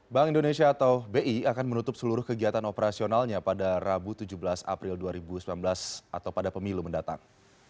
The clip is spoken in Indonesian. bank indonesia atau bi akan menutup seluruh kegiatan operasionalnya pada rabu tujuh belas april dua ribu sembilan belas atau pada pemilu mendatang